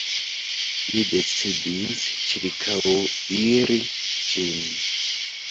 Li decidis ĉirkaŭiri ĝin.